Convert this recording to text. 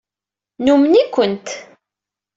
Numen-ikent.